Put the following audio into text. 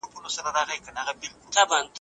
سره زر د ده د راتلونکي ژوند يوازينۍ پانګه وه.